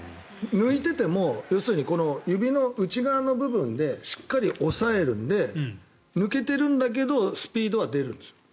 抜いてても要するに、指の内側の部分でしっかり押さえるので抜けてるんだけどスピードは出るんですよ。